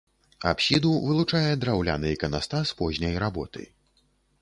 Апсіду вылучае драўляны іканастас позняй работы.